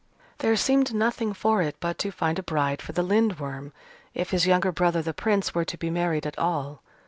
There seemed nothing for it but to find a bride for the Lindworm, if his younger brother, the Prince, were to be married at all.